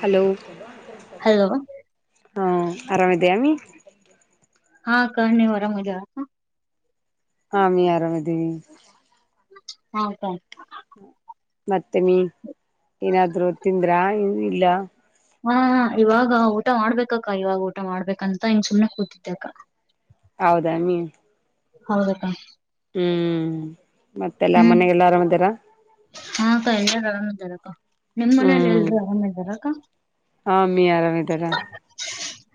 Hello hello ಹಾ ಆರಾಮಿದೆಯಾ ಅಮ್ಮಿ. ಹಾ ಅಕ್ಕಾ ನೀವ್ ಅರಾಮಿದ್ದಿರಾ ಅಕ್ಕಾ ಹ ಅಮ್ಮಿ ಆರಾಮ್ದೀವಿ. ಹ ಅಕ್ಕಾ ಮತ್ತೆ ಅಮೀ ಏನಾದ್ರು ತಿಂದ್ರ ಏನು ಇಲ್ಲ? ಹಾ ಇವಾಗ ಊಟ ಮಾಡ್ಬೇಕಕ್ಕ ಇವಾಗ ಊಟ ಮಾಡ್ಬೇಕಂತ ಹಿಂಗ ಸುಮನೆ ಕೂತಿದ್ದಕ್ಕ. ಹೌದಾ ಮೀ ಹೌ ಅಕ್ಕಾ. ಹ್ಮ್ ಮತ್ತೆಲ್ಲ ಹ್ಮ್ ಮನೆಗೆಲ್ಲ ಆರಾಮ ಇದ್ದಿರಾ? ಹಾ ಅಕ್ಕ ಎಲ್ಲರೂ ಆರಾಮ ಇದಾರಕ್ಕ ನಿಮ್ಮ್ ಮನೇಲಿ ಎಲ್ರೂ ಆರಾಮ ಇದ್ದಾರ ಅಕ್ಕ? ಹ ಅಮ್ಮಿ ಆರಾಮ್ ಇದ್ದಾರ.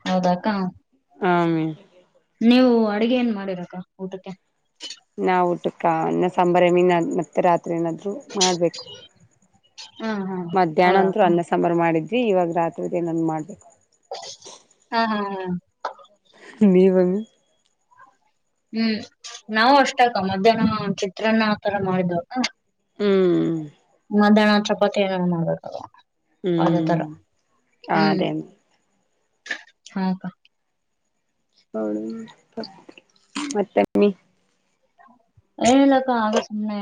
ಹೌದಾ ಅಕ್ಕ. ಹಮ್ ನೀವು ಅಡುಗೆ ಏನ್ ಮಾಡಿರಕ್ಕ ಊಟಕ್ಕೆ? ನಾ ಊಟಕ್ಕ ಅನ್ನ ಸಾಂಬಾರ ಮೀನ ಮತ್ತೆ ರಾತ್ರಿ [unintelligible] [unintelligible] ಮಾಡ್ಬೇಕು ಹಾ ಹಾ ಮಧ್ಯಾಹ್ನ ಅಂದರು ಹೌದಕ್ಕ ಅನ್ನ ಸಾ ಸಾಂಬಾರ್ ಮಾಡಿದ್ವಿ ಇವಾಗ ರಾತ್ರಿ [unintelligible] ಏನನ್ ಮಾಡಬೇಕು. ಹಾ ಹಾ ಹಾ [unintelligible] ಹ್ಮ ನಾವ ಅಷ್ಟ ಅಕ್ಕ ಮಧ್ಯಾಹ್ನ ಚಿತ್ರಾನ್ನ ಆತರ ಮಾಡಿದ್ವಕ್ಕ ಹ್ಮ್ಮ [unintelligible] ಚಪಾತಿ ಏನನ ಮಾಡ್ಬೇಕಕ್ಕ. ಅದೇ ತರ ಹ್ಮ್ ಹ್ಮ ಅದೇ ಹ ಅಕ್ಕ. [unintelligible] ಮತ್ತೆ? ಅಮ್ಮಿ ಏನಿಲ್ಲಕ್ಕ ಹಾಗೆ ಸುಮ್ಮನೆ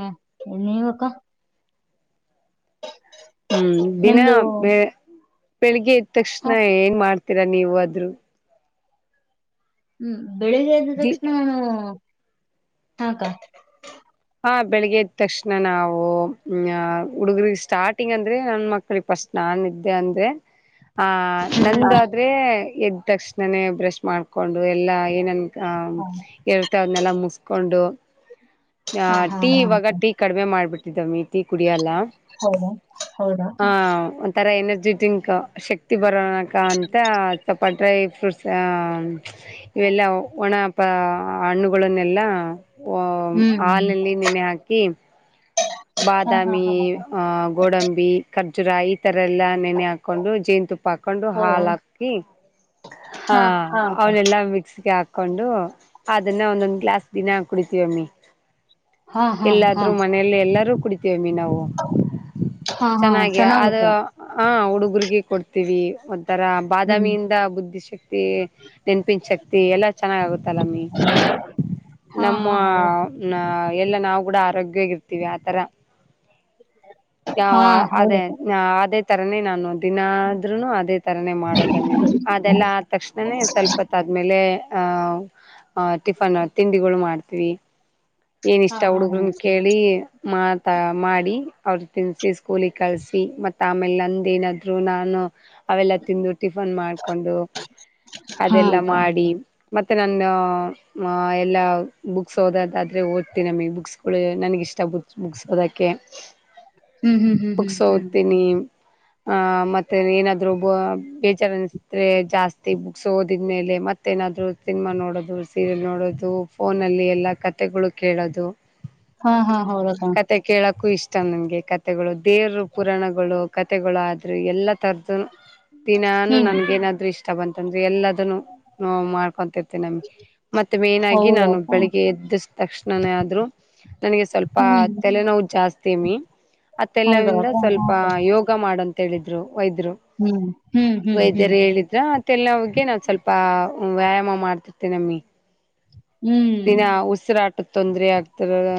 ನೀವ ಅಕ್ಕ? ಹ್ಮ ದಿನಾ ನಿಮ್ದು ಬೆ ಬೆಳಿಗ್ಗೆ ಎದ್ ತಕ್ಷಣ ಹಾ ಏನ್ ಮಾಡ್ತೀರಾ ನೀವ್ ಆದ್ರೂ? ಹ್ಮ ಬೆಳಿಗ್ಗೆ ಎದ್ ದಿ ತಕ್ಷಣ ನಾವು ಹಾಕಾ ಹಾ ಬೆಳಿಗ್ಗೆ ಎದ್ದ ತಕ್ಷಣ ನಾವು ಹ ಹುಡುಗ್ರ ಸ್ಟಾರ್ಟಿಂಗ್ ಅಂದ್ರೆ ನನ್ ಮಕ್ [unintelligible] ಫಸ್ಟ ನಾನ್ ಇದ್ದೆ ಅಂದ್ರೆ? [inaudible] ಆ ನಂದಾದ್ರೆ ಎದ ತಕ್ಷಣನೇ ಬ್ರಷ್ ಮಾಡ್ಕೊಂಡು ಎಲ್ಲಾ ಏನನ್ ಹಾ ಹ್ಮ್ ಇರ್ತೆ ಅದನ್ನೆಲ್ಲ ಮುಸ್ಕೊಂಡು ಆ ಹಾ ಹಾ ಟೀ ಹಾ ಇವಾಗ ಅಕ್ಕ ಟೀ ಕಡಿಮೆ ಮಾಡ್ಬಿಟ್ಟಿದ್ದಮ್ಮಿ ಟೀ ಕುಡಿಯಲ್ಲ. ಹೌದಾ ಹೌದಾ ಹ ಒಂಥರ ಎನರ್ಜಿಟ್ರಿಂಕ್ ಶಕ್ ಕ್ತಿ ಬರೋಣಕ ಅಂತ ಸ್ವಲ್ಪ ಡ್ರೈ ಫ್ರೂಟ್ಸ ಆ ಇವೆಲ್ಲ ಒಣ ಪ ಹಣ್ಣುಗಳನ್ನೆಲ್ಲ ಓ ಹ್ಮ್ ಹಾಲಲ್ಲಿ ನೆನೆೆ ಹಾಕಿ ಹಾ ಹಾ ಬಾದಾಮಿ ಹಾ ಅಕ್ಕ ಆ ಗೋಡಂಬಿ ಖರ್ಜುರಾಯಿ ಈ ತರ ಎಲ್ಲಾ ನೆನೆ ಹಾಕೊಂಡು ಜೇನು ತುಪ್ಪ ಹಾಕೊಂಡು ಹೌದ ಹಾಲ ಹಾಕಿ [unintelligible] ಹಾ ಅವನೆಲ್ಲಾ ಮಿಕ್ಸ್ಗೆ ಹಾಕ್ ಕೊಂಡು ಅದನ್ನ ಒಂದೊಂದ್ ಗ್ಲಾಸ್ ದಿನ ಕುಡಿತೀವಮ್ಮಿ. ಹಾ ಹಾ ಹಾ ಎಲ್ಲಾದ್ರೂ ಮನೇೆಯಲ್ಲಿ ಎಲ್ಲಾರೂ ಕುಡಿತೇವಮ್ಮಿ ನಾವು. ಹಾ ಹಾ ಚೆನ್ನಾಗಿ ಅದು ಚೆನ್ನಾಗಕ್ಕ ಹ ಹುಡುಗ್ರುಗೆ ಕೊಡ್ತೀವಿ ಒಂಥರ ಹ್ಮ್ ಬಾದಾಮಿಯಿಂದ ಬುದ್ಧಿ ಶಕ್ತಿ ನೆನಪಿನ ಶಕ್ತಿ ಎಲ್ಲ ಚೆನ್ನಾಗ ಆಗುತ್ತಲ್ಲಮ್ಮಿ. ಹಾ ಹಾ ಹೌ ನ ಎಲ್ಲ ನಾವು ಕೂಡ ಆರೋಗ್ಯವಾಗಿ ಇರ್ತೀವಿ ಆತರ ಯಾವ ಹಾ ಅದೇ ಹೌದಕ್ಕ ಅದೇ ತರನೇ ನಾನು ದಿನ ಆದ್ರೂನು ಅದೇ ತರನೇ ಮಾಡೋದಮ್ಮಿ. ಅದೆಲ್ಲ ಆದ ತಕ್ಷಣನೇ ಸ್ವಲ್ಪತ್ ಆದ್ಮೇಲೆ ಆ ಹ ಟಿಫನ್ ತಿಂಡಿಗಳು ಮಾಡ್ತೀವಿ. ಏನ ಹಾ ಇಷ್ಟ ಹಾ ಹಾ ಹುಡುಗ್ರನ ಕೇಳಿ? ಮಾತ ಮಾಡಿ ಅವರು ತಿನ್ಸಿ ಸ್ಕೂಲಿಗೆ ಕಳಸಿ ಮತ್ತ ಆಮೇಲೆ ನಂದ್ ಏನಾದ್ರು ನಾನು ಅವೆಲ್ಲ ತಿಂದು ಟಿಫನ್ ಮಾಡ್ಕೊಂಡು ಹಾ ಅದೆಲ್ಲ ಅಕ್ಕ ಮಾಡಿ ಮತ್ತೆ ನನ್ನ ಮ ಎಲ್ಲ ಬುಕ್ಸ ಓದದಾದ್ರೆ ಓದ್ತೀನಮ್ಮಿ. ಬುಕ್ಸ್ಗಳು ನನಗಿಷ್ಟ ಬುಕ್ ಬುಕ್ಸ ಓದಕೆ ಹ್ಮ್ ಹ್ಮ್ ಹ್ಮ್ ಹ್ಮ್ ಬುಕ್ಸ ಹ್ಮ್ ಓದ್ತಿನಿ ಹ ಮತ್ತೆ ಏನಾದ್ರು ಬೊ ಬೇಜಾರ ಅನ್ಸಿದ್ರೆ ಜಾಸ್ತಿ ಬುಕ್ಸ ಓದಿದ ಮೇಲೆ ಮತ್ತೇನಾದ್ರು ಸಿನಿಮಾ ನೋಡೋದು ಸೀರಿಯಲ್ ನೋಡೋದು ಫೋನ್ಲ್ಲಿ ಎಲ್ಲ ಕತ್ ಕಥೆಗಳು ಕೇಳೋದು? ಹಾ ಹಾ [unintelligible] ಅಕ್ಕ ಕತೆ ಕೇಳಕ್ಕೂ ಇಷ್ಟ ನನ್ಗೆ ಕತೆೆಗಳು ದೇವರು ಪುರಾಣಗಳು ಕತೆೆಗಳು ಆದ್ರ ಎಲ್ಲ ತರ್ದು. ದಿನಾನು ಹ್ಮ್ ನನ್ಗ ಏನಾದ್ರು ಇಷ್ಟ ಬಂತಂದ್ರೆ ಎಲ್ಲದನು ನ ಮಾಡ್ಕೊಂತ ನಮಗೆ ಮತ್ತೆ ಮೇನ್ ಆಗಿ ಹೌದ ನಾನು ಅಕ್ಕ ಬೆಳಿಗ್ಗೆ ಎದ್ದು ತಕ್ಷಣನೇ ಆದ್ರೂ ನನಗೆ ಸ್ವಲ್ಪ. ಹ್ಮ್ ತಲೆ ನೋವು ಜಾಸ್ತಿ ಆ ತಲೆ ಹೌದ ನೋವಿಂದ ಅಕ್ಕ ಹಾ ಸ್ವಲ್ಪ ಅಕ್ಕ ಯೋ ಯೋಗ ಮಾಡಂತ ಹೇಳಿದ್ರು ವೈದ್ಯರು ಹ್ಮ್ ಹ್ಮ್ ಹ್ಮ್ ಹ್ಮ್ ವೈದ್ಯರು ಹೇಳಿದ್ರ. ತಲೆ ನೋವಿಗೆ ನಾನ್ ಸ್ವಲ್ಪ್ ವ್ಯಾಯಾಮ ಮಾಡ್ತಿರನಮ್ಮಿ. ಹ್ಮ್ ದಿನಾ ಉಸಿರಾಟದ ತೊಂದರೆ ಆಗ್ತದಲ್ಲ.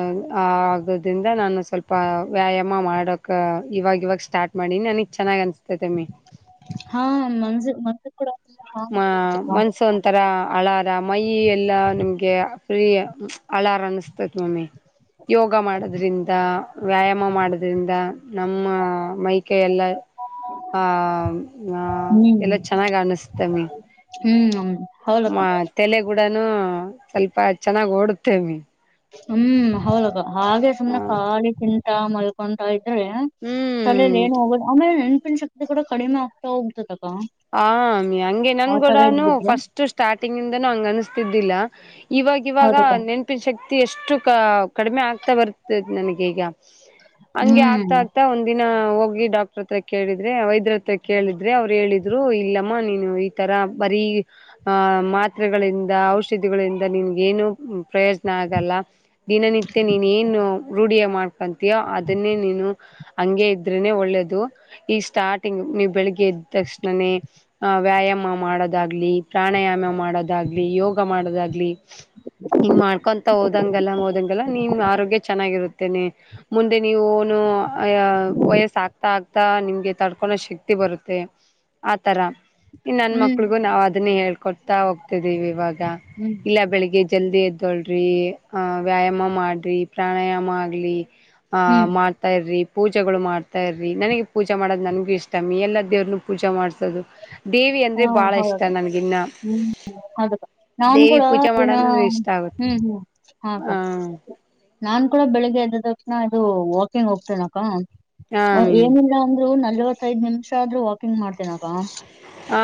ಆ ಆಗೋದ್ರಿಂದ ನಾನು ಸ್ವಲ್ಪ ವ್ಯಾಯಾಮ ಮಾಡೋಕ ಇವಾಗ ಇವಾಗ ಸ್ಟಾರ್ಟ್ ಮಾಡೀನಿ ನನಗೆ ಚೆನ್ನಾಗಿ ಅನಿಸುತ್ತೆ. ಅನಿಸುತ್ತೆ ಅಮ್ಮೀ. ಹಾ ಮಂಜು ಮ ಹ ಮನ್ಸಂತ. ತರ ಅಳಾರ ಮೈ ಎಲ್ಲ ನಿಮ್ಗೆ ಫ್ರೀ ಅಳಾರ ಅನಿಸತೈತಿ ಮಮ್ಮಿ. ಯೋಗ ಮಾಡೋದ್ರಿಂದ ವ್ಯಾಯಾಮ ಮಾಡೋದ್ರಿಂದ ನಮ್ಮ ಮೈ ಕೈ ಎಲ್ಲ. ಆ ಹ್ಹ್ ಹ್ಮ್ ಎಲ್ಲ ಚೆನ್ನಾಗ್ ಅನಿಸುತ್ತೆ ಮಮ್ಮಿ. ಹ್ಮ್ ಹ್ಮ. ಮ ತಲೆಗುಡನು ಸ್ವಲ್ಪ ಚೆನ್ನಾಗ್ ಓಡುತ್ತೇಮ್ಮಿ. ಹ್ಮ್ ಹೌದು ಹಾಗೆ ಸುಮ್ನೆ ಖಾಲಿ ತಿಂತಾ ಮಲ್ ಕೊಂತಾ ಇದ್ರೆ ತಲೇಲಿ ಹ್ಮ್ ಏನ್ ಹೋಗೋದು ಆಮೇಲೆ ನೆನ್ಪಿನ ಶಕ್ತಿ. ಇದು ಕೂಡ ಕಡಿಮೆ ಆಗ್ತಾ ಹೋಗ್ತತಕ. ಹ್ ಹಂಗೆ ನನ್ಗೂಡನು ಫಸ್ಟ್ ಸ್ಟಾರ್ಟಿಂಗ್ ಇಂದನೂ ಹಂಗ ಅನಿಸತಿದ್ದಿಲ್ಲ. ಇವಾಗ ಇವಾಗ ಹೌದಕ್ಕ ನೆನಪಿನ ಶಕ್ತಿ ಎಷ್ಟು ಕ ಕಡಿಮೆ ಆಗ್ತಾ ಬರ್ತದೆ ನನಗೆ ಈಗ. ಹಂಗೆ ಆಗ್ತಾ ಹ್ಮ್ ಆಗ್ತಾ ಒಂದ ಒಂದ್ ದಿನ ಹೋಗಿ ಡಾಕ್ಟರ್ ಹತ್ರ ಕೇಳಿದ್ರೆ ವೈದ್ಯರ ಹತ್ರ ಕೇಳಿದ್ರೆ ಅವ್ರು ಹೇಳಿದ್ರು. ದ್ರು ಇಲ್ಲಮ್ಮ ನೀನು ಈ ತರ ಬರೀ. ಹ ಮಾತ್ರೆಗಳಿಂದ ಔಷಧಿಗಳಿಂದ ನಿಮ್ಗೇನು ಪ್ರಯೋಜನ ಆಗಲ್ಲ. ದಿನನಿತ್ಯ ನೀನ್ ಏನು ರೂಢಿಯ ಮಾಡ್ಕೊತೀಯ ಅದನ್ನೇ ನೀನು. ಹಂಗೆ ಇದ್ರೆನೆ ಒಳ್ಳೇದು ಈ ಸ್ಟಾರ್ಟಿಂಗ್ ನೀವ ಬೆಳಿಗ್ಗೆ ಎದ್ದು ತಕ್ಷಣನೆ. ಹ ವ್ಯಾಯಾಮ ಮಾಡೋದಾಗ್ಲಿ ಪ್ರಾಣಾಯಾಮ ಮಾಡೋದಾಗ್ಲಿ ಯೋಗ ಮಾಡೋದಾಗ್ಲಿ. ಹಿಂಗ್ ಮಾಡ್ಕೊಂತ ಓದಂಗಲ್ಲ ಓದಂಗಲ್ಲ ನಿಮ ಆರೋಗ್ಯ ಚೆನ್ನಾಗಿರುತ್ತೇನೆ. ಮುಂದೆ ನೀವು ನು ಅ ವಯಸ್ಸ ಆಗ್ತಾ ಆಗ್ತಾ ನಿಮ್ಗೆ ತಡ್ಕೊಳೋ ಶಕ್ತಿ ಬರುತ್ತೆ. ಆ ತರ. ಇನ್ ನನ್ ಹ್ಮ್ ಮಕ್ಳಿಗು ನಾವು ಅದನ್ನೇ ಹೇಳ್ಕೊಡ್ತಾ ಹೋಗ್ತಿದ್ದೀವಿ ಇವಾಗ ಹ್ಮ್ ಇಲ್ಲ ಬೆಳಿಗ್ಗೆ ಎದ್ದ. ಜಲ್ದಿ ಎದ್ದೋಳ್ರಿ ವ್ಯಾಯಾಮ ಮಾಡ್ರಿ ಪ್ರಾಣಾಯಾಮ ಆಗಲಿ. ಆಹ ಹ್ಮ್ ಮಾಡ್ತಾ ಇರಿ ಪೂಜೆಗಳು ಮಾಡ್ತಾ ಇರ್ರಿ ನನಗೆ ಪೂಜಾ ಮಾಡದು ನಂಗೂ ಇಷ್ಟ ಎಲ್ಲ ದೇವ್ರನು ಪೂಜಾ ಮಾಡಸೋದು ದೇವಿ ಅಂದ್ರೆ ಬಾಳ ಇಷ್ಟ ನನ್ಗಿನ್ನ. ಹೌದು ನಾನ್ ದೇವಿ ಕೂಡ ಪೂಜೆ ದಿನಾ ಮಾಡಂದ್ರೆ ಇಷ್ಟ ಆಗುತ್ತೆ ಹ್ಮ್ ಹ್ಮ್ ಹ್ಹ ಹ ಅಕ್ಕ. ನಾನ್ ಕೂಡ ಬೆಳಗ ಎದ್ದ ತಕ್ಷಣ ಇದು ವಾಕಿಂಗ್ ಹೋಗ್ತನಕ್ಕ. ಹ ಮೀನು ಏನಿಲ್ಲ ಅಂದ್ರು ನಲವೈತೈದು ನಿಮಿಷ ಆದ್ರೂ ವಾಕಿಂಗ್ ಮಾಡ್ತನಕ್ಕ. ಹ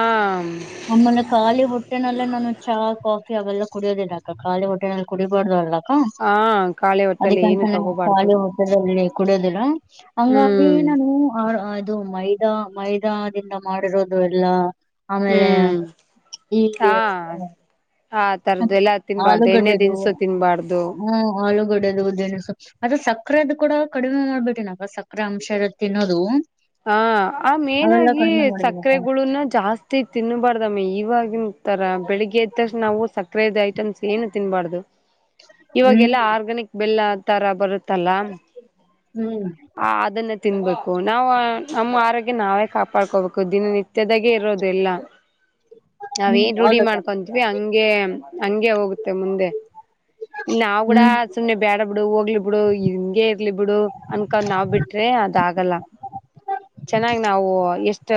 ಆಮ್ಮಲೆ ಖಾಲಿ ಹೊಟ್ಟೆಲ್ಲೇ ನಾನು ಚಾ ಕಾಫಿ ಅವೆಲ್ಲ ಕುಡಿಯೋದಿಲ್ಲಕ್ಕ ಖಾಲಿ ಹೊಟ್ಟೆಲ್ಲಿ ಕುಡಿಬಾರ್ದು ಅಲ್ಲ. ಹ ಖಾಲಿ ಹೊಟ್ಟೆಲಿ ಏನು ಅದಕ್ಕೆಂತಾನೆ ತಗೋಬಾರ್ದು ಖಾಲಿ ಹೊಟ್ ಕುಡಿಯೋದಿಲ್ಲ ಹಂಗಾಗಿ ಹ್ಮ್ ನಾನು ಹ್ ಹ್ಹ್. ಅದು ಮೈದಾ ಮೈದಾದಿಂದ ಮಾಡಿರೋದು ಎಲ್ಲ. ಆಮೇಲೆ ಹ್ಮ್ [unintelligible] ಹ ತರದು ಎಲ್ಲಾ ತಿನ್ಬಾರ್ದು ಎಣ್ಣೆ ದಿನ್ಸು ತಿನ್ನಬಾರದು. ಆಳೂಗಡೆದುದೇವ ಅದ ಸಕ್ಕರೆದ ಕೂಡ ಕಡಿಮೆ ಮಾಡ್ಬಿಟ್ರಿ ನಕ ಸಕ್ಕರೆ ಅಂಶ ಇರ ತಿನ್ನೋದು ಹ ಆ ಮೇನ್ ಅವೆಲ್ಲಾ ಆಗಿ ಕಡಿಮೆ ಮಾಡಿದೀನಕ್ಕ ಸಕ್ಕರೆಗುಳನ್ ಜಾಸ್ತಿ ಅಷ್ಟ ತಿನ್ನಬಾರ್ದಮ್ಮಿ ಇವಾಗಿನ ತರ ಬೆಳಿಗ್ಗೆ ಎದ್ದಷ್ಟು ನಾವು ಸಕರೆದು ಐಟಮ್ಸ್ ಏನು ತಿನ್ಬಾರ್ದು [inaudible] ಹ್ಮ್ ಇವಾಗೆಲ್ಲಾ ಆರ್ಗ್ಯನಿಕ್ ಬೆಲ್ಲ ತರ ಬರುತ್ತಲ್ಲ ಹ್ಮ್ ಹ ಅದನ್ನ ತಿನ್ಬೇಕು ನಾವವು ನಮ್ಮ ಆರೋಗ್ಯ ನಾವೇ ಕಾಪಾಡ್ಕೋಬೇಕು ದಿನ ನಿತ್ಯದಾಗೆ ಇರೋದು ಎಲ್ಲ ನಾವ ಹ್ಮ್ ಏನ್ ರೂಢಿ ಹೌದಕ್ಕ ಮಾಡ್ಕೊಂತೀವಿ ಹಂಗೆ ಹಂಂಗಗೆ ಹೋಗುತ್ತೆ ಮುಂದೆ ನಾವವು ಕೂಡ ಹ್ಮ್ ಸುಮ್ನೆ ಬ್ಯಾಡ ಬಿಡು ಹೋಗ್ಲಿ ಬಿಡು ಹಿಂಗೆ ಇರ್ಲಿ ಬಿಡು ಅನ್ಕೊಂಡ್ ನಾವ್ ಬಿಟ್ರೆ ಅದ ಆಾಗಲ್ಲ ಚೆನ್ನಾಗ್ ನಾವು ಎಷ್ಟ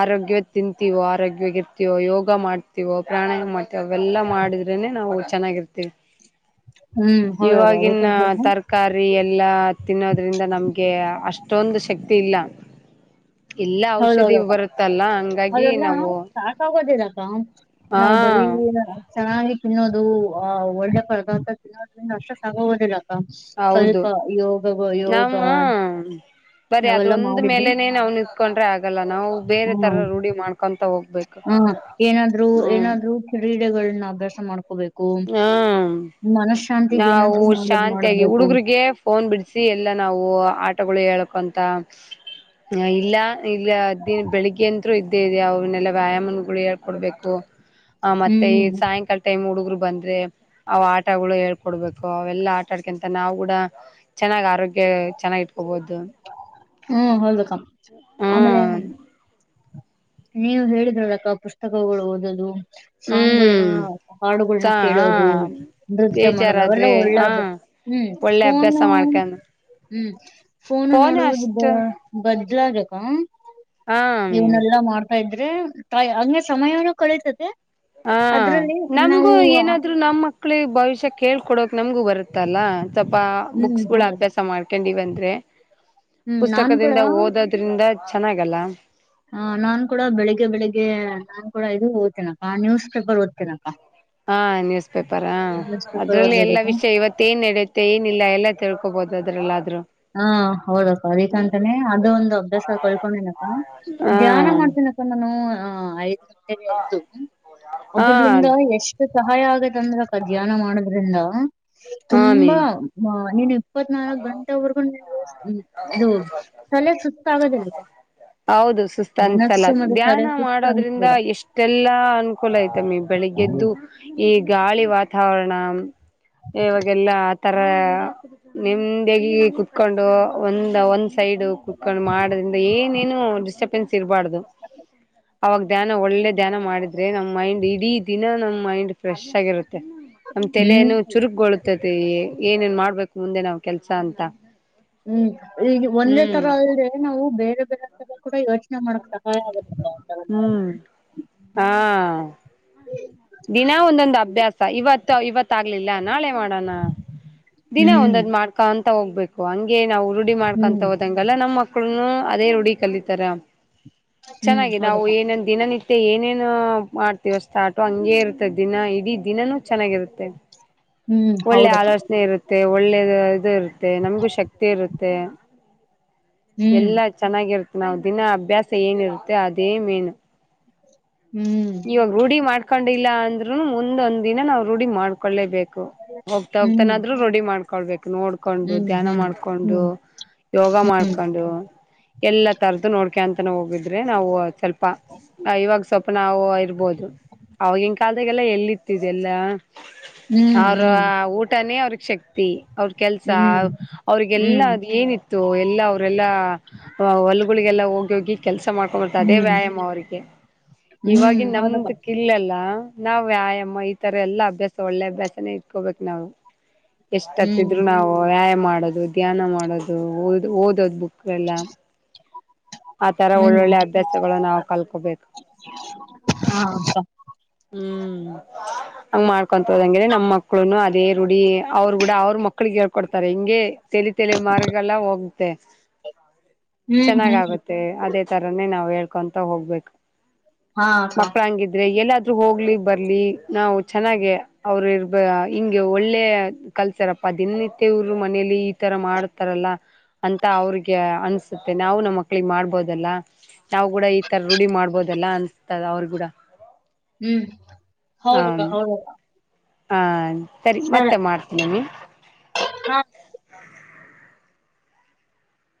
ಆರೋಗ್ಯ ತಿಂತೀವೋ ಆರೋಗ್ಯ ಇರ್ತೀವೋ ಯೋಗ ಮಾಡ್ತೀವೋ ಪ್ರಾಣಾಯಾಮ ಮಾಡ್ ಅವೆಲ್ಲಾ ಮಾಡಿದ್ರೆನೆ ನಾವು ಚೆನ್ನಾಗಿರ್ತೇವಿ ಹ್ಮ್ ಹೌದಕ್ಕ ಇವಾಗಿನ ಅದಕ್ಕಂತಾನೆ ತರ್ಕ ತರಕಾರಿ ಎಲ್ಲಾ ತಿನ್ನೋದ್ರಿಂದ ನಮ್ಗೆ ಅಷ್ಟೊಂದು ಶಕ್ತಿ ಇಲ್ಲ ಇಲ್ಲ ಔಷಧಿ ಹೌದೌದಕ್ಕ ಬರುತ್ತಲ್ಲ ಹಂಗಾಗಿ ಅದೆಲ್ಲ ನಾವು ಸಾಕಾಗೋದಿಲ್ಲ ಅಕ್ಕ ಹಾ ನಾವು ಬರೀ ಚೆನ್ನಾಗಿ ತಿನ್ನೋದು ಆಹ್ ಒಳ್ಳೆ ಪರ್ದಾರ್ತ ತಿನ್ನೋದ್ರಿಂದ ಅಷ್ಟು ಸಾಗೋದಿಲ್ಲ ಹೌದು ಸ್ವಲ್ಪ ಯೋಗ ಯೋಗ ಬರಿೀ ಅವೆಲ್ಲ ಅದ್ರೊಂದ್ ಮಾಡಿದ್ರೆ ಮೇಲೆನೆೇ ನಾವ್ ನಿತ್ಕೊಂಡ್ರೆ ಆ ಲ್ಲ ನಾವು ಬೇರೆ ಹ್ಮ ತರ ರೂಢಿ ಮಾಡ್ಕೊಂತ ಹೋಗ್ಬೇಕು ಹ ಏನಾದ್ರು ಹ್ಮ ಏನಾದ್ರು ಕ್ರೀಡೆಗಳನ್ನ ಅಭ್ಯಾಸ ಮಾಡ್ಕು ಹಕೋಬೇಕು ಹಾ ಮನಶಶಾಂತಿಗ್ ನಾವು ಏನಾದ್ರು ಮಾಡದ್ ಶಾಂತಿಯಾಗಿ ಮಾಡಬೇಕು ಹುಡುಗ್ರಿಗೆ ಫೋನ್ ಬಿಡಿಸಿಿ ಎಲ್ಲಾ ನಾವು ಆಟಗಳು ಹೇಳಕ್ ಅಂತ ಇಲ್ಲ ಇಲ್ಲ ದಿನ ಬೆಳಿಗ್ಗೆಯಂತರು ಇದ್ದೇ ಇ ಅವನ್ನೆಲ್ಲಾ ವ್ಯಾಯಾಮಗಳು ಹೇಳ್ಕೊಡ್ಬೇಕು ಆ ಮತ್ತೆ ಈ ಹ್ಮ್ ಸಾಯಂಕಾಲ ಟೈಮ್ ಹುಡುಗರು ಬಂದ್ರೆ ಅವ ಆಟಗಳು ಹೇಳ್ಕೊಡ್ಬೇಕು ಅವೆಲ್ಲಾ ಆಟಾಡ್ಕೊಂತ ನಾವು ಕೂಡ ಚೆನ್ನಾಗ್ ಆರೋಗ್ಯ ಚೆನ್ನಾಗಿ ಇಟ್ಕೋಬಹುದು ಹ್ಮ್ ಹಲ್ಬೇಕ ಆಮೇಲೆ ಹ್ಮ್ ನೀವು ಹೇಳಿದ್ರೊಳಕ್ಕ ಪುಸ್ತಕಗಳು ಓದದು ಸಾಂಗ್ಗಳನ್ನ ಹ್ಮ್ ಸ ಹಾಡುಗಳನ್ನ ಕೇಳೋದು ನೃತ್ಯ ಮಾಡೋದು ಅವೆಲ್ಲ ಬೇಜಾರಾದ್ರೆ ಒಳ್ಳೆ ಹಾ ಅಭ್ಯಾಸ ಹ್ಮ್ ಒಳ್ಳೆ ಅಭ್ಯಾಸ ಫೋನು ಮಾಡ್ಕಂಡು ಹ್ಮ್ ಫೋನು ನೋಡುವುದು ತ ಬದ್ಲದಕ ಹ ಇವನೆಲ್ಲಾ ಮಾಡ್ತಾ ಇದ್ರೆ ಹಂಗ ಸಮಯನೂ ಕಳಿತದೆ ಹ ನಮ್ಗೂ ಏನಾದ್ರು ನಮ್ ಮಕ್ಳಿಗೆ ಭವಿಷ್ಯ ಕೇಳ್ಕೊಡಕ್ ನಮ್ಗು ಬರುತ್ತ ಇತ್ತಲ್ಲ ಸ್ವಲ್ಪ ಹ್ಮ್ ಬುಕ್ಸ್ ಗಳ ಹೌದಕ್ಕ ಅಭ್ಯಾಸ ಮಾಡ್ಕೊಂಡವಂದ್ರೆ ಹ್ಮ್ ನಾನ್ ಕೂಡ ಪುಸ್ತಕದಿಂದ ಓದದ್ರಿಂದ ಚೆನ್ನಾಗಲ್ಲ ಹ ನಾನ್ ಕೂಡ ಬೆಳಿಗ್ಗೆ ಬೆಳಿಗ್ಗೆ ನಾನ್ ಕೂಡ ಇದು ಓದುತ್ತೇನೆ ಅಕ್ಕಕ್ ನ್ಯೂಸ್ ಪೇಪರ್ ಓದ್ತೀನಕ್ಕ ಹಾ ನ್ಯೂಸ್ ಪೇಪರ್ ಪೇಪರ್ ಅದ್ರಲ್ಲಿ ಎಲ್ಲಾ ಓದಬೇಕು ವಿಷಯ ಇವತ್ತೇಏನ್ ನಡೆಯುತ್ತ ಮತ್ತೇ ಏನಿಲ್ಲ ಎಲ್ಲ ತಿಳ್ಕೋಬಹುದು ಅದ್ರಲ್ಲಾದ್ರೂ ಹಾ ಹೌದಕ್ಕ ಅದಕ್ಕಂತಾನನೆ ಅದು ಒಂದು ಅಭ್ಯಾಸ ಕಳ್ಕೊಂಡನಪ್ಪ ಧ್ಯಾನ ಹ ಮಾಡ್ತನಪ್ಪ ನಾನು ಐದ್ ಗಂಟೆಗೆ ಇದ್ದು ಹ ಅದ್ರಲಿಂದ ಎಷ್ಟು ಸಹಾಯ ಆಗೇತ್ತ ಅಂದ್ರ ಧ್ಯಾನ ಮಾಡೋದ್ರಿಂದ ಹ ಮಿ ತುಂಬಾ ನೀನ್ ಇಪ್ಪತ್ನಾಾಲ್ಕ್ ಗಂಟೆವರೆಗೂ ಇದು ತಲೆ ಸುುತ್ತ ಆಗದಿಲ್ಲವ ಹೌದು ಸುಸ್ತು ಅನ್ಸಲ ಧ್ಯಾನ ತಲೆ ಸುಸ್ತ ಮಾಡೋದ್ರಿಂದ ಅನ್ಸದಿಲ್ಲ ಎಷ್ಟೆಲ್ಲಾ ಅನುಕೂಲ ಐತ ಮ ಬೆಳಿಗ್ಗೆದ್ದು ಈ ಗಾಳಿ ವಾತಾವರಣ ಇವಾಗೆಲ್ಲ ಆ ತರ ನಿಮ್ದಗ ಕುೂತ್ಕೊಂಡು ಒಂದ ಒಂದ್ ಸೈಡ್ ಕುೂತ್ಕೊಂಡು ಮಾಡದ್ರಿಂದ ಏನೇನು ಡಿಸ್ಟರ್ಬೆನ್ಸ್ ಇರಬಾರ್ದು ಅವಾಗ ಧ್ಯಾನ ಒಳ್ಳೆ ಧ್ಯಾನ ಮಾಡಿದ್ರೆ ನಮ್ ಮೈಂಡ್ ಇಡೀ ದಿನ ನಮ್ ಮೈಂಡ್ ಫ್ರೆಶ್ ಆಗಿರುತ್ತೆ ನಮ್ ಹ್ಮ್ ತಲೆಯನ ಚುರುಗ್ಗೊಳ್ಳತತಿ ಏನೇನ್ ಮಾಡ್ಬೇಕು ಮುಂದೆ ನಾವ್ ಕೆಲ್ಸ ಅಂತ ಹ್ಮ್ ಈಗ ಒಂದೇ ಹ್ಮ್ ತರ ಅಲ್ದೆೆ ನಾವು ಬೇರೆ ಬೇರೆ ತರ ಕೂಡ ಯೋಚನೆ ಯೋಚನೆ ಬಯ ಆಗುತ್ತೆ ಮಾಡಕ್ ತ ಮಾಡಿದ್ರ ಹ್ಮ್ ಹಾ ದಿನಾ ಒಂದೊಂದು ಅಭ್ಯಾಸ ಇವತ್ತು ಇವತ್ತ ಆಗ್ಲಿಲ್ಲ ನಾಳೆ ಮಾಡೋಣ ದಿನಾ ಹ್ಮ್ ಒಂದೊದ್ ಮಾಡ್ಕೊಂತ ಹೋಗ್ಬೇಕು ಹಂಗೆ ನಾವು ಉರುಡಿಿ ಮಾಡ್ಕೊಂತ ಹ್ಮ್ ಹೋದಂಗ ಎಲ್ಲ ನಮ್ಮ್ ಮಕ್ಕಳನು ಅದೇ ರೂಢಿ ಕಲಿತಾರ ಹ್ಮ್ ಚೆನ್ನಾಗಿದೆ ನಾವು ಹೌದಕ್ಕ ಏನೇನ್ ದಿನನಿತ್ಯ ಏನೇನು ಮಾಡ್ತೀವ ಸ್ಟಾರ್ಟು ಹಂಗ ಇರ್ ದಿನ ಇಡೀ ದಿನಾನೂ ಚೆನ್ನಾಗಿರುತ್ತೆ ಹ್ಮ್ ಒಳ್ಳೆ ಹೌದಕ್ಕ ಆಲೋಚನೆ ಇರುತ್ತೆ ಒಳ್ಳೇದು ಇದು ಇರುತ್ತೆ ನಮಗೂ ಶಕ್ತಿ ಇರುತ್ತೆ ಹ್ಮ್ ಎಲ್ಲಾ ಚೆನ್ನಾಗಿರುತ್ತೆ ನಾವವು ದಿನ ಅಭ್ಯಾಸ ಏನಿರುತ್ತೆ ಅದೇ ಮೇನು ಹ್ಮ್ ಇವಾಗ ರೂಢಿ ಮಾಡ್ಕೊಂಡಿಲ್ಲ ಅಂದ್ರು ಮುಂದೊಂದ್ ದಿನ ನಾವು ರೂಢಿ ಮಾಡ್ಕೊಳ್ಳೇಬೇಕು ಹೋಗ್ತಾ ಹ್ಮ್ ಹೋಗ್ತಾನಾದ್ರು ರೆಡಿ ಮಾಡ್ಕೊಳ್ಬೇಕು ನೋಡ್ಕೊಂಡು ಹ್ಮ್ ಧ್ಯಾನ ಮಾಡ್ಕೊಂಡು ಹ್ಮ್ ಯೋಗ ಹ್ಮ್ ಮಾಡ್ಕೊಂಡು ಎಲ್ಲಾ ತರದ್ದು ನೋಡ್ಕೊಂತನ ಹೋಗಿದ್ರೆ ನಾವು ಸ್ವಲ್ಪ ಇವಾಗ ಸ್ವಲ್ಪ ನಾವು ಇರ್ಬೋದು ಅವವಾಗಿನ್ ಕಾಲದಾಗೆಲ್ಲ ಎಲ್ಲಿ ಇತ್ತಿದೆ ಎಲ್ಲಾ ಅವ್ರ ಹ್ಮ್ ಊಟನೇ ಅವ್ರಗ್ ಶಕ್ತಿ ಅವ್ರ ಕೆಲ್ಸ ಹ್ಮ್ ಹ್ಮ್ ಹ್ಮ್ ಅವ್ರಿಗೆಲ್ಲಾ ಹ್ಮ್ ಅದು ಏನಿತ್ತು ಎಲ್ಲಾ ಅವ್ರಲ್ಲಾ ಹೊಲಗಳಿಗೆಲ್ಲ ಹೋಗಿ ಹೋಗಿ ಕೆಲ್ಸ ಮಾಡ್ಕೊಂಡ್ ಬರ್ತ ಅದೇ ಹ್ಮ್ ವ್ಯಾಯಾಮ ಅವರಿಗೆ ಹ್ಮ್ ಇವಾಗಿ ಹೌದಕ್ಕ ನಮ್ದು ಇಲ್ಲಲ್ಲ ನಾವ್ ವ್ಯಾಯಾಮ ಈ ತರ ಎಲ್ಲಾ ಅಭ್ಯಾಸ ಒಳ್ಳೆ ಅಭ್ಯಾಸನೇ ಇಟ್ಕೋಬೇಕು ನಾವು ಎಷ್ಟ ಹ್ಮ್ ಹತ್ತಿದ್ರು ನಾವು ವ್ಯಾಯಾಮ ಮಾಡೋದು ಧ್ಯಾನ ಮಾಡೋದು ಓದ ಓದೋದು ಬುಕ್ ಎಲ್ಲ ಆತರ ಹ್ಮ್ ಒಳ್ಳೊಳ್ಳೆ ಅಭ್ಯಾಸಗಳು ನಾವು ಕಲ್ಕೋಬೇಕು ಹಾ ಅಕ್ಕ ಹ್ಮ್ [inaudible] ಹಂಗ ಮಾಡ್ಕೊಂತ ಹೋದಂಗ್ರ ನಮ್ಮ ಮಕ್ಳುನು ಅದೇ ರರುಢಿ ಅವ್ರರು ಕೂಡ ಅವ್ರ ಮಕ್ಳಿಗೆ ಹೇಳ್ಕೊಡ್ತಾರೆ ಹಿಂಗೆ ತಲಿ ತಲಿ ಮಾರ್ಗಳಲ್ಲ ಹೋಗುತ್ತೆ [inaudible] ಹ್ಮ್ ಚೆನ್ನಾಗಾಗುತ್ತೆ ಅದೇ ತರಾನೇ ನಾವ್ ಹೇಳ್ಕೊಂತ ಹೋಗ್ಬೇಕು ಹಾ ಅಕ್ಕ ಮಕ್ಕಳ ಹಂಗಿದ್ರೆ ಎಲ್ಲ ಹೋಗ್ಲಿ ಬರ್ಲಿ ನಾವು ಚೆನ್ನಾಗೆ ಅವ್ರ ಇರ್ಬ ಹಿಂಂಗಗೆ ಒಳ್ಳೆ ಕಲ್ಸಾರಪ್ಪ ದಿನತ್ಯ ಇವರು ಮನೇಲಿ ಈ ತರ ಮಾಡ್ತಾರಲ್ಲ ಅಂತ ಅವ್ರಿಗೆ ಅನ್ಸುತ್ತೆ ನಾವು ನಮ್ಮ ಮಕ್ಳಿಗೆ ಮಾಡ್ಬೋದಲ್ಲ ನಾವವು ಕೂಡ ಈ ತರ ರೂಢಿ ಮಾಡ್ಬೋದಲ್ಲ ಅನ್ಸತದ ಅವ್ರಿಗೂಡ ಹ್ಮ್ ಹೌದಕ್ಕ ಹೌದು ಅಕ್ಕ ಹಾ ಸರಿ ಮತ್ತೆ ಮಾಡ್ತೀನಿ ನೀ ಹಾ